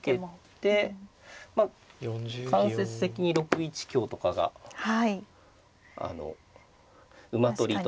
間接的に６一香とかがあの馬取りと。